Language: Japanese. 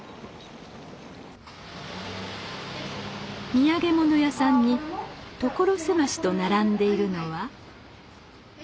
土産物屋さんに所狭しと並んでいるのは。